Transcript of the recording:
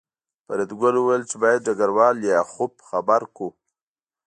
فریدګل وویل چې باید ډګروال لیاخوف خبر کړو